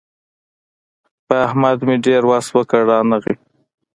پر احمد مې ډېر وس وکړ؛ رانغی.